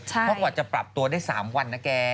เพราะกว่าจะปรับตัวได้๓วันนะแก